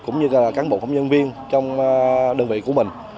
cũng như các cán bộ phòng nhân viên trong đơn vị của mình